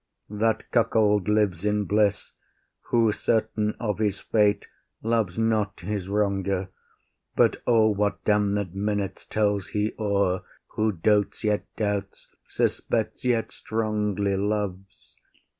That cuckold lives in bliss Who, certain of his fate, loves not his wronger; But O, what damned minutes tells he o’er Who dotes, yet doubts, suspects, yet strongly loves!